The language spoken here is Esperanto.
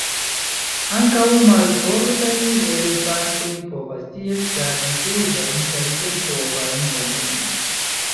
Ankaŭ malfortaj helpantoj povas tiel savi pezajn kaj senpovajn homojn.